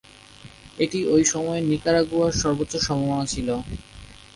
এটিই ঐ সময়ে নিকারাগুয়ার সর্বোচ্চ সম্মাননা ছিল।